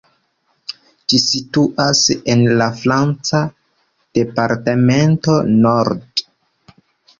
Ĝi situas en la franca departemento Nord.